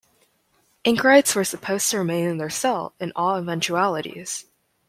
Anchorites were supposed to remain in their cell in all eventualities.